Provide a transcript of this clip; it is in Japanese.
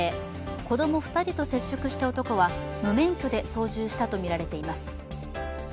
子供２人と接触した男は無免許で操縦したとみられています。